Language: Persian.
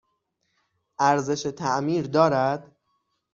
ارزش تعمیر دارد؟